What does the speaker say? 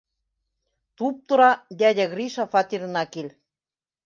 Туп-тура дядя Гриша фатирына кил.